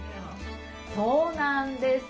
そうなんです。